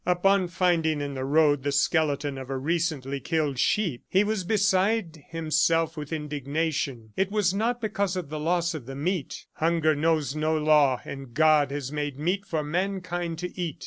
Upon finding in the road the skeleton of a recently killed sheep, he was beside himself with indignation. It was not because of the loss of the meat. "Hunger knows no law, and God has made meat for mankind to eat.